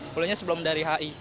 bolehnya sebelum dari hi